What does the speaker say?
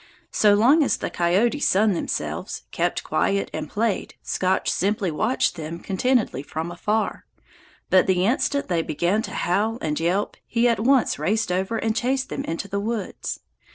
So long as the coyotes sunned themselves, kept quiet, and played, Scotch simply watched them contentedly from afar; but the instant they began to howl and yelp, he at once raced over and chased them into the woods.